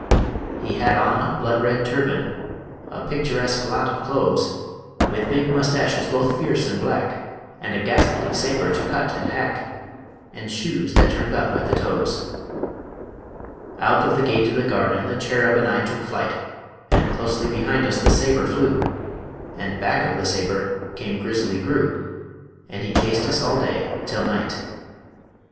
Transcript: He had on a blood red turban, A picturesque lot of clothes, With big moustaches both fierce and black, And a ghastly saber to cut and hack, And shoes that turned up at the toes. Out of the gate of the garden The cherub and I took flight, And closely behind us the saber flew, And back of the saber came Grizzly Gru, And he chased us all day till night.